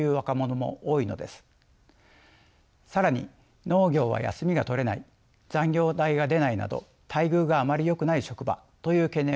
更に農業は休みが取れない残業代が出ないなど待遇があまりよくない職場という懸念も聞きます。